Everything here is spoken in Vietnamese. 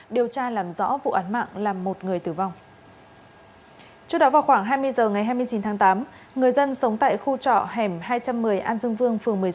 điều tra làm rõ vụ án mạng làm một người tử vong